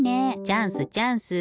チャンスチャンス！